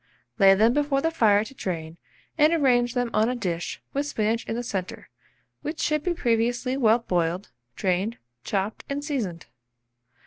Lay them before the fire to drain, and arrange them on a dish with spinach in the centre, which should be previously well boiled, drained, chopped, and seasoned.